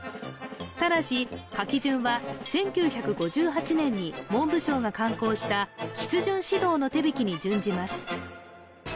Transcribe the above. ただし書き順は１９５８年に文部省が刊行した「筆順指導の手びき」に準じます